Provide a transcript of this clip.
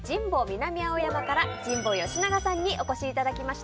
南青山から神保佳永さんにお越しいただきました。